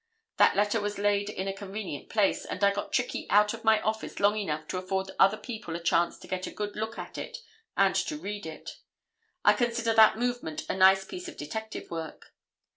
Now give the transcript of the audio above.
That letter was laid in a convenient place, and I got Trickey out of my office long enough to afford other people a chance to get a good look at it and to read it. I consider that movement a nice piece of detective work.